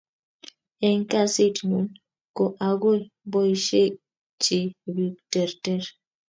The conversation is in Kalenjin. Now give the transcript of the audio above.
Eng kasit nyun, ko akoi aboishechi bik terter